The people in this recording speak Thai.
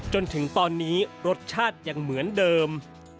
จนถึงตอนนี้รสชาติยังเหมือนเดิม